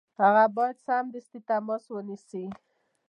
هغه باید سمدستي تماس ونیسي.